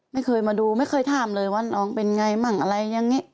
ไม่เคยมาดูไม่เคยถามเลยว่าน้องเป็นไง